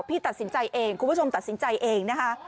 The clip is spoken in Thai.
พี่ตัดสินใจเองคุณผู้ชมตัดสินใจเองนะคะ